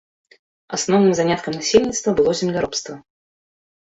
Асноўным заняткам насельніцтва было земляробства.